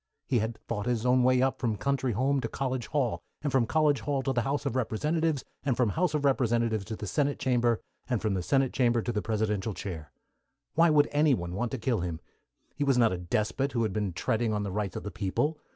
He had fought his own way up from country home to college hall, and from college hall to the House of Representatives, and from House of Representatives to the Senate Chamber, and from the Senate Chamber to the Presidential chair. Why should anyone want to kill him? He was not a despot who had been treading on the rights of the people.